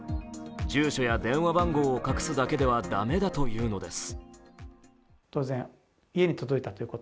住所や電話番号を隠すだけでは駄目だというのです。